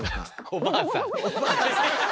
おばあさん。